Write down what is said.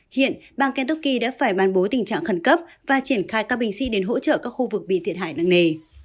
hiện bang kentucky đã phải bàn bố tình trạng khẩn cấp và triển khai các bình sĩ đến hỗ trợ các khu vực bị thiệt hại nặng nề